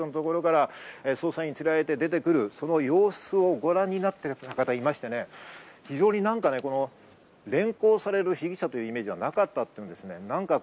あそこから捜査員に連れられて出てくる、その様子をご覧になっている方がいまして、非常に連行される被疑者というイメージはなかったということだったんです。